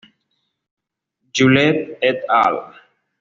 Yule "et al.